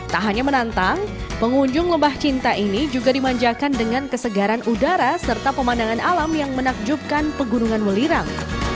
tak hanya menantang pengunjung lembah cinta ini juga dimanjakan dengan kesegaran udara serta pemandangan alam yang menakjubkan pegunungan welirang